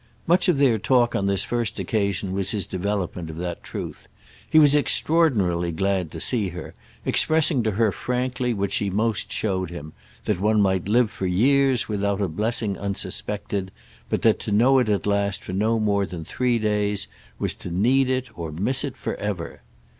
Much of their talk on this first occasion was his development of that truth. He was extraordinarily glad to see her, expressing to her frankly what she most showed him, that one might live for years without a blessing unsuspected, but that to know it at last for no more than three days was to need it or miss it for ever.